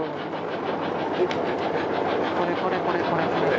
これこれこれこれこれこれ。